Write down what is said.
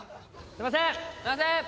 すいません！